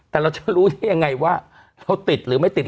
แต่เราจะรู้ได้ยังไงว่าเขาติดหรือไม่ติด